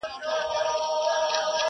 په ژړا مي شروع وکړه دې ویناته؛